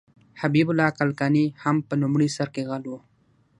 حبیب الله کلکاني هم په لومړي سر کې غل و.